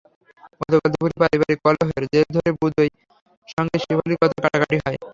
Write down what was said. গতকাল দুপুরে পারিবারিক কলহের জের ধরে বুদোর সঙ্গে শেফালীর কথা-কাটাকাটি হয়।